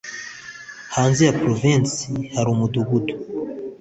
hanze ya Provensi hari umudugudu